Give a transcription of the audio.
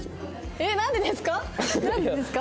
えっなんでですか？